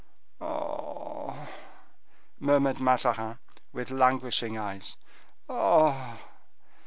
"Ah!" murmured Mazarin, with languishing eyes, "ah!